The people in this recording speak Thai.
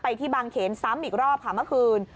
ที่บางเขนซ้ำอีกรอบค่ะเมื่อคืน